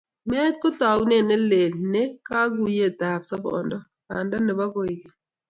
Meet ko taunet ne lel ne kaguiyetab sobondo, banda nebo koikeny.